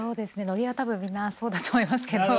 野毛は多分みんなそうだと思いますけど。